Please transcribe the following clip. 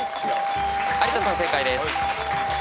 有田さん正解です。